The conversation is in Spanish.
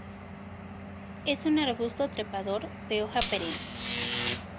Es un arbusto trepador de hoja perenne.